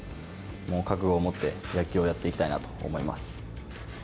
もう覚悟を持って野球をやっていきたいなと思います。